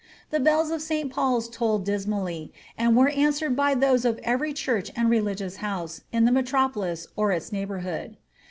The bells of St. PauPs tolled dismally, and were answered by those of every church and religions house in the metropolis or its neighbourhood.